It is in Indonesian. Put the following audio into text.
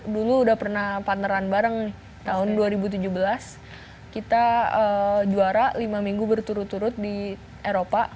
dulu udah pernah partneran bareng tahun dua ribu tujuh belas kita juara lima minggu berturut turut di eropa